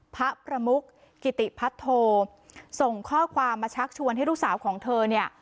พระประมุกกิติพัทโทส่งข้อความมาชักชวนให้ลูกสาวของเธอเนี่ย